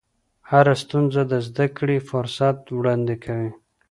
هره ستونزه د زده کړې فرصت وړاندې کوي.